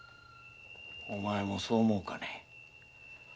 お前もそう思うかね？